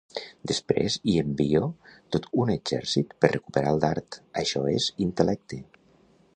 Després hi envio tot un exèrcit per recuperar el dard, això és intel·lecte.